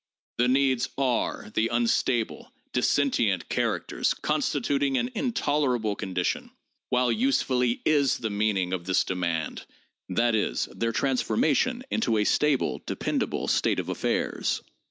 The needs are the unstable, dissentient characters constituting an intoler able condition; while 'usefully' is the meeting of this demand, that is, their transformation into a stable, dependable state of affairs.